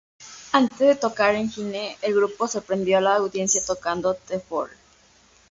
Antes de tocar Engine, el grupo sorprendió a la audiencia tocando The Fool.